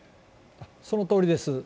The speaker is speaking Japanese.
そのとおりです。